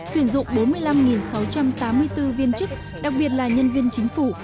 tuyển dụng bốn mươi năm sáu trăm tám mươi bốn viên chức đặc biệt là nhân viên chính phủ